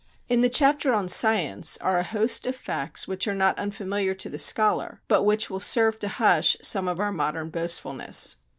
In the chapter on science are a host of facts which are not unfamiliar to the scholar, but which serve to hush some of our modern boastfulness.